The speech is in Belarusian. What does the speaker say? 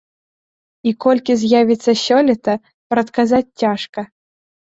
І колькі з'явіцца сёлета, прадказаць цяжка.